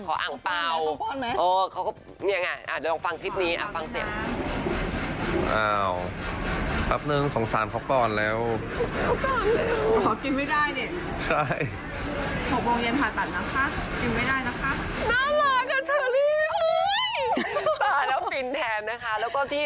ก็เผลอพี่อ้ำอาจจะโดนขอแต่งงานวันวาเลนไทยก็ได้